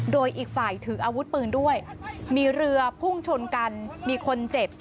โดยอีกฝ่ายถืออาวุธปืนด้วยมีเรือพุ่งชนกันมีคนเจ็บ